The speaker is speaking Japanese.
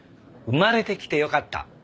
「生まれてきて良かった」